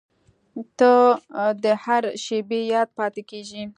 • ته د هر شېبې یاد پاتې کېږې.